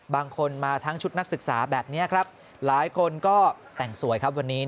บางคนมาทั้งชุดนักศึกษาแบบนี้ครับหลายคนก็แต่งสวยครับวันนี้